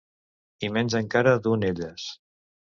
I menys encara d'un elles.